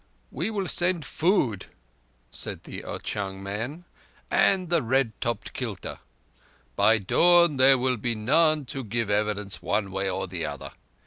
"We will send food," said the Ao chung man, "and the red topped kilta. By dawn there will be none to give evidence, one way or the other.